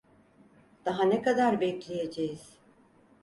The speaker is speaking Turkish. Daha ne kadar bekleyeceğiz?